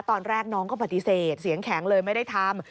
ตอนแรกน้องก็ปฏิเสธเสียงแข็งเลยไม่ได้ทำ